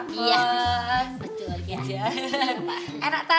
biar bener pak bos